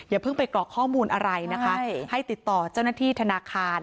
เพิ่งไปกรอกข้อมูลอะไรนะคะให้ติดต่อเจ้าหน้าที่ธนาคาร